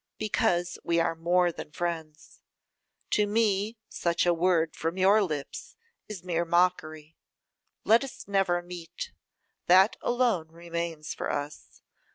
'Because we are more than friends. To me such a word from your lips is mere mockery. Let us never meet. That alone remains for us.